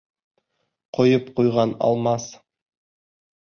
Ҡойоп ҡуйған Алмас!